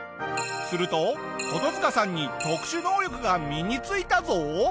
するとコトヅカさんに特殊能力が身についたぞ。